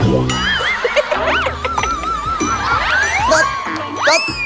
ตัดตัด